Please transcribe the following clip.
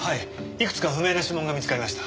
いくつか不明な指紋が見つかりました。